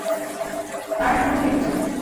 তারা ঠিকমতোই এগুচ্ছে!